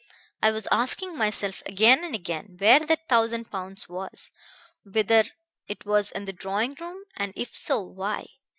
I was asking myself again and again where that thousand pounds was; whether it was in the drawing room; and if so, why.